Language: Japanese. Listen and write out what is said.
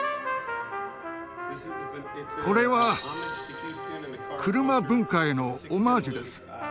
これは車文化へのオマージュです。